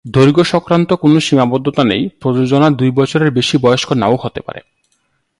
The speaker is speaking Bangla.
দৈর্ঘ্য সংক্রান্ত কোন সীমাবদ্ধতা নেই; প্রযোজনা দুই বছরের বেশি বয়স্ক নাও হতে পারে।